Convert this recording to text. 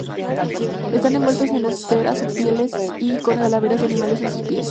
Están envueltos en esteras o pieles y con calaveras de animales a sus pies.